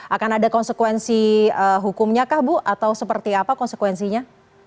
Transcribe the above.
akan ada konsekuensi hukumnya kah bu atau seperti apa konsekuensinya